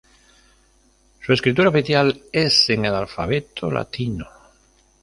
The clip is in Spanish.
Su escritura oficial es en el alfabeto latino.